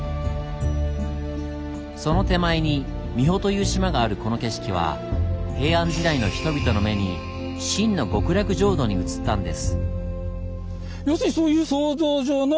その手前に三保という島があるこの景色は平安時代の人々の目に真の極楽浄土に映ったんです。